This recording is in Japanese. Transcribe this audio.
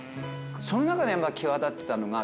その中で際立ってたのが。